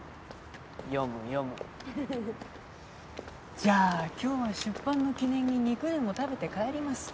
じゃあ今日は出版の記念に肉でも食べて帰りますか。